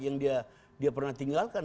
yang dia pernah tinggalkan